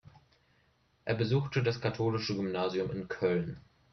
Er besuchte das katholische Gymnasium in Köln.